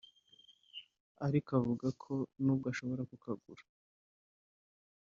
ariko avuga ko nubwo ashobora kukagura